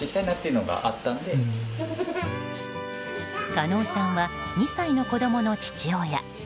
加納さんは２歳の子供の父親。